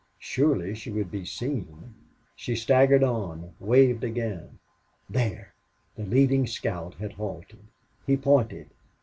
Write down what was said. Surely she would be seen. She staggered on waved again. There! The leading scout had halted. He pointed.